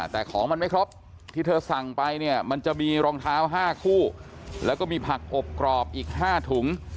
แต่ของมันไม่ครบที่เธอสั่งไปเนี่ยมันจะมีรองเท้า๕คู่แล้วก็มีผักอบกรอบอีก๕ถุง